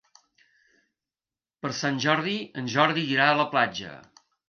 Per Sant Jordi en Jordi irà a la platja.